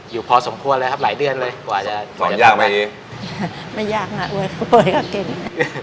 อยู่พอสมควรเลยครับหลายเดือนเลยกว่าจะสอนยากไหมอีไม่ยากน่ะเวอร์เวอร์ก็เก่ง